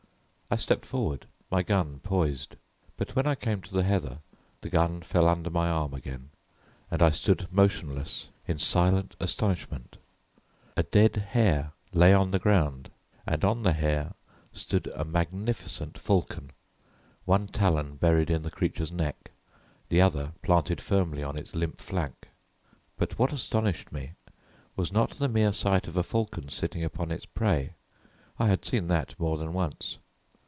I stepped forward, my gun poised, but when I came to the heather the gun fell under my arm again, and I stood motionless in silent astonishment A dead hare lay on the ground, and on the hare stood a magnificent falcon, one talon buried in the creature's neck, the other planted firmly on its limp flank. But what astonished me, was not the mere sight of a falcon sitting upon its prey. I had seen that more than once.